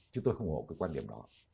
chúng tôi không ủng hộ cái quan điểm đó